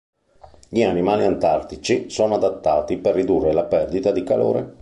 Gli animali antartici sono adattati per ridurre la perdita di calore.